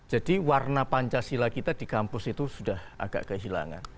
jadi warna pancasila kita di kampus itu sudah agak kehilangan